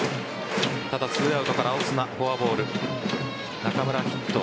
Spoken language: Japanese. ただ、２アウトからオスナフォアボール中村ヒット